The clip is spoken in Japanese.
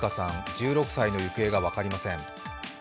１６歳の行方が分かりません。